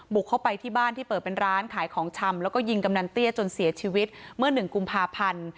เข้าไปที่บ้านที่เปิดเป็นร้านขายของชำแล้วก็ยิงกำนันเตี้ยจนเสียชีวิตเมื่อหนึ่งกุมภาพันธ์